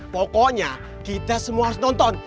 pokoknya kita semua harus nonton